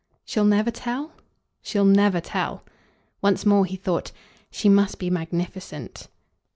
"She'll never tell?" "She'll never tell." Once more he thought. "She must be magnificent."